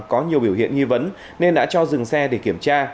có nhiều biểu hiện nghi vấn nên đã cho dừng xe để kiểm tra